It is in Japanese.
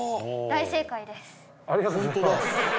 大正解です。